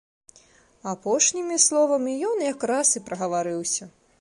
Апошнімі словамі ён якраз і прагаварыўся.